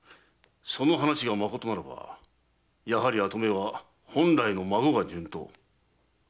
その話がまことならばやはり跡目は本来の孫が順当。